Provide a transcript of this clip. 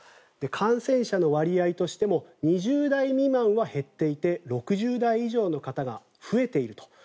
感染者の割合としても２０代未満は減っていて６０代以上の方が増えていると。